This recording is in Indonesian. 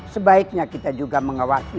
sebaiknya kita juga mengawasi